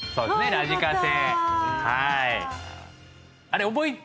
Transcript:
「ラジカセ」